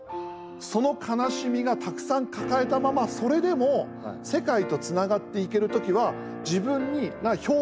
その悲しみがたくさん抱えたままそれでも世界とつながっていける時は自分が表現をしている時だけなの。